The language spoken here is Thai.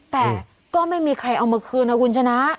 แต่ก็ไม่มีใครเอามาคืนนะคุณชนะ